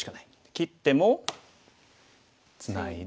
切ってもツナいで。